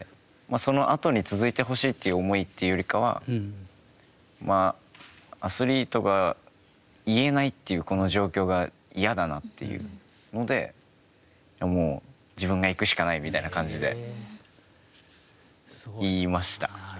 その後に続いてほしいという思いというよりかはアスリートが言えないというこの状況が嫌だなというので自分が行くしかないみたいな感じで、言いました。